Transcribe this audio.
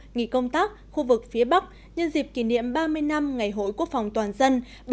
nghỉ công tác khu vực phía bắc nhân dịp kỷ niệm ba mươi năm ngày hội quốc phòng toàn dân